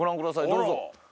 どうぞ。